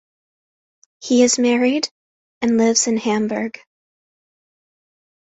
He is married and lives in Hamburg.